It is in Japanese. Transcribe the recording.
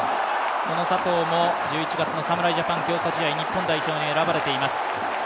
佐藤も１１月の侍ジャパン、強化試合日本代表に選ばれています。